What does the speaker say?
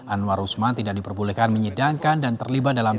anwar usman tidak diperbolehkan menyidangkan dan terlibat dalam